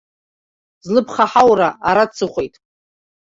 Злыԥха ҳаура ара дсыхәеит.